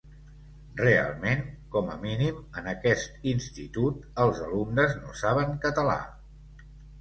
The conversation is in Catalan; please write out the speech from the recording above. Realment, com a mínim en aquest institut, els alumnes no saben català.